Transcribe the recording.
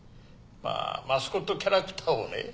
マスコットキャラクターをね